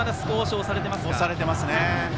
押されていますね。